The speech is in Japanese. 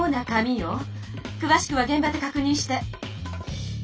くわしくはげん場でかくにんして！